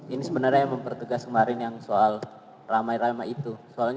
ini sebenarnya yang mempertegas kemarin yang soal ramai ramai itu